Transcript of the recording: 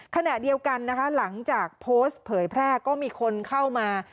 ขณะเดียวกันนะคะหลังจากโพสต์เผยแพร่ก็มีคนเข้ามา